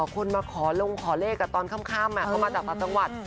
อ๋อคนมาขอลงขอเลขตอนค่ำมาจากตัวสังวัตร